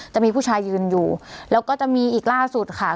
จะมีผู้ชายยืนอยู่แล้วก็จะมีอีกล่าสุดค่ะ